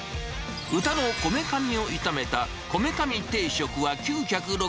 豚のこめかみを炒めたこめかみ定食は９６０円。